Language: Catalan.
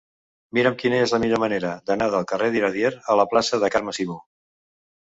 Mira'm quina és la millor manera d'anar del carrer d'Iradier a la plaça de Carme Simó.